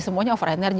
semuanya over energy